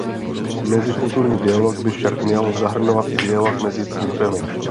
Mezikulturní dialog by však měl zahrnovat i dialog mezi církvemi.